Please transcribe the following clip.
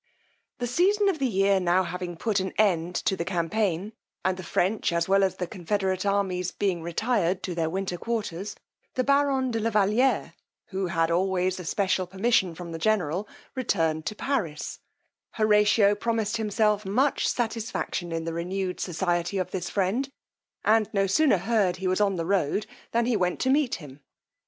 The season of the year now having put an end to the campaign, and the French, as well as confederate armies, being retired into their winter quarters, the baron de la Valiere, who had always a special permission from the general, returned to Paris: Horatio promised himself much satisfaction in the renewed society of this friend, and no sooner heard he was on the road than he went to meet him.